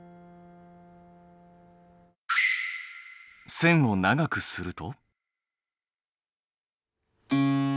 線を長くすると。